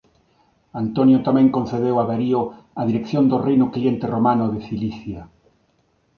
Antonio tamén concedeu a Darío a dirección do reino cliente romano de Cilicia.